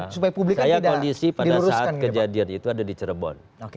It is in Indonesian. saya kondisi pada saat kejadian itu ada di cirebon